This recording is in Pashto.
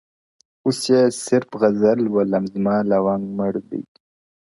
اوس يې صرف غزل لولم ـ زما لونگ مړ دی ـ